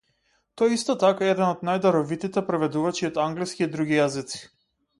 Тој е исто така еден од најдаровитите преведувачи од англиски и други јазици.